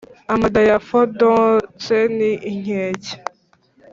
Amada yafodotse ni inkeke